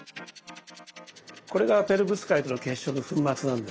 これがペロブスカイトの結晶の粉末なんですね。